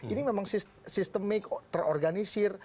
ini memang sistemik terorganisir